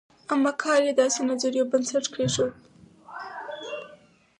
اما کار یې د داسې نظریو بنسټ کېښود.